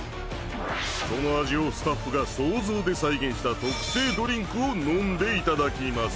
その味をスタッフが想像で再現した特製ドリンクを飲んでいただきます。